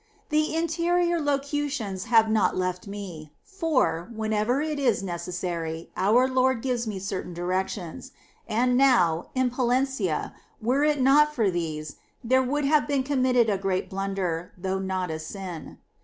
4. The interior locutions have not left me, for, whenever it is necessary, our Lord gives me certain directions ; and now, in Palencia, were it not for these, there would have been com mitted a great blunder, though not a sin.